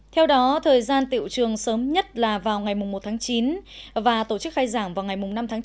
theo đó thời gian tiệu trường sớm nhất là vào ngày một tháng chín và tổ chức khai giảng vào ngày năm tháng chín